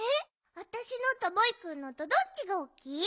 あたしのとモイくんのとどっちがおっきい？